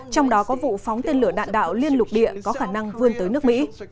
trong đó có vụ phóng tên lửa đạn đạo liên lục địa có khả năng vươn tới nước mỹ